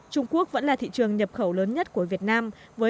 trung quốc vẫn là thị trường nhập khẩu lớn nhất của việt nam